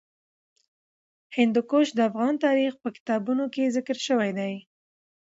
هندوکش د افغان تاریخ په کتابونو کې ذکر شوی دي.